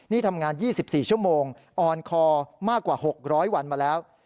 นี่ทำงานยี่สิบสี่ชั่วโมงออนคอร์มากกว่าหกร้อยวันมาแล้ว